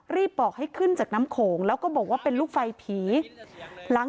บอกให้ขึ้นจากน้ำโขงแล้วก็บอกว่าเป็นลูกไฟผีหลัง